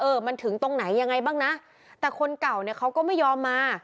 มันถึงตรงไหนยังไงบ้างนะแต่คนเก่าเนี่ยเขาก็ไม่ยอมมา